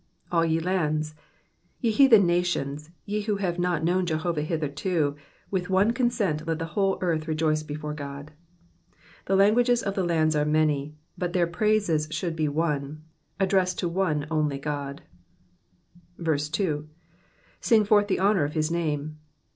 ^^All ye lands.'' Ye heathen nations, ye who have not known Jehovah hitherto, with one con sent let the whole earth rejoice before God. The languages of the lands are many, but their praises should be one, addressed to one only God. 2. ^* Sing forth the honour of his name.'''